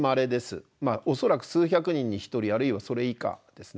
恐らく数百人に一人あるいはそれ以下ですね。